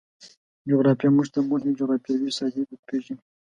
جغرافیه موږ ته مهمې جغرفیاوې ساحې روپیژني